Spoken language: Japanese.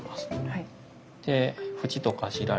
はい。